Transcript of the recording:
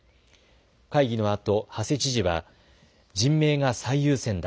会議のあと馳知事は人命が最優先だ。